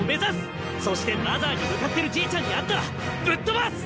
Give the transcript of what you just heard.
そしてマザーに向かってるじいちゃんに会ったらぶっ飛ばす！